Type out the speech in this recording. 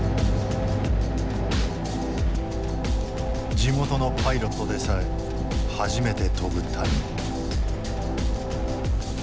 地元のパイロットでさえ初めて飛ぶ谷。